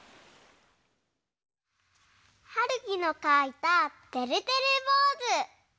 はるきのかいたてるてるぼうず。